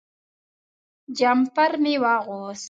جمپر مې واغوست.